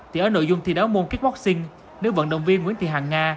thì ở nội dung thi đấu môn kitoxing nữ vận động viên nguyễn thị hàng nga